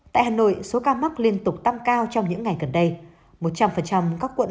tại hà nội số ca mắc liên tục tăng cao trong những ngày gần đây một trăm linh các quận